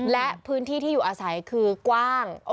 และพื้นที่ที่อยู่อาศัยคือกว้าง